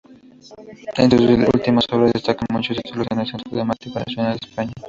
Entre sus últimas obras destacan muchos títulos en el Centro Dramático Nacional de España.